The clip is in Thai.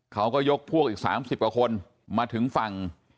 เขาก็ยกพวกอีก๓๐กว่าคนมาถึงฝั่ง